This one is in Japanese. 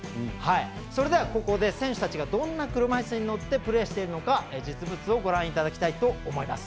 それでは、ここで選手たちがどんな車いすに乗ってプレーしているのか実物をご覧いただきたいと思います。